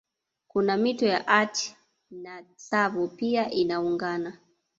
Kuna mito ya Athi na Tsavo pia inaungana